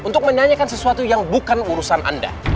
untuk menyanyikan sesuatu yang bukan urusan anda